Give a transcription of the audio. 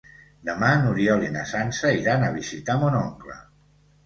Demà n'Oriol i na Sança iran a visitar mon oncle.